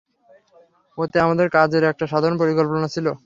ওতে আমাদের কাজের একটা সাধারণ পরিকল্পনা ছিল।